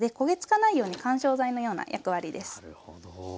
なるほど。